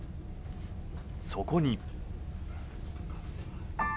そこに。